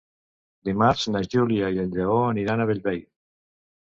Dimarts na Júlia i en Lleó aniran a Bellvei.